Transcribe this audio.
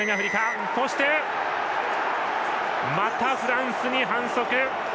またフランスに反則。